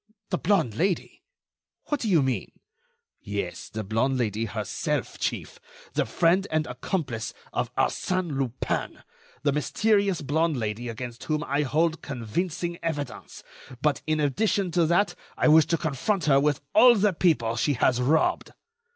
"The blonde Lady! What do you mean?" "Yes, the blonde Lady herself, chief; the friend and accomplice of Arsène Lupin, the mysterious blonde Lady against whom I hold convincing evidence; but, in addition to that, I wish to confront her with all the people she has robbed."